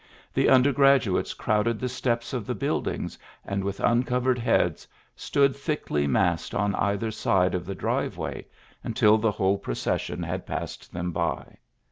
The undergraduates crowded the steps of the buildings and with uncovered heads stood thickly massed on either side of the driveway until the whole procession had passed them by.